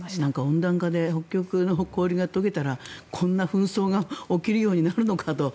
温暖化で北極の氷が解けたらこんな紛争が起きるようになるのかと。